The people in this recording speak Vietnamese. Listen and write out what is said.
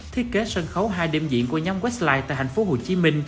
thiết kế sân khấu hai đêm diễn của nhóm westline tại tp hcm